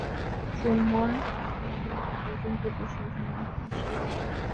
চুম্বন, আলিঙ্গনটা পর্যন্ত দোষাবহ নয়, অশ্লীল নয়।